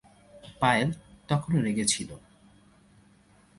পায়েল তখনও রেগে ছিল।